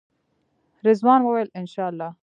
رضوان وویل انشاالله.